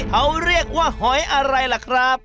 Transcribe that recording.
เขาเรียกว่าหอยอะไรล่ะครับ